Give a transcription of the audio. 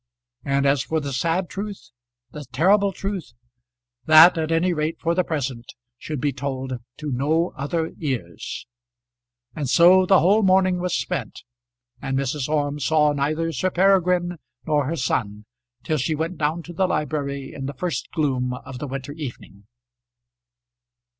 And as for the sad truth, the terrible truth, that, at any rate for the present, should be told to no other ears. And so the whole morning was spent, and Mrs. Orme saw neither Sir Peregrine nor her son till she went down to the library in the first gloom of the winter evening.